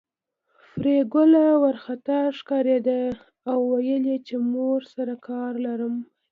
پري ګله وارخطا ښکارېده او ويل يې چې مور سره کار لرم